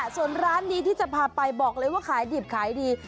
ส่วนร้านนี้ที่จะพาไปบอกเลยว่าขายดิบขายดี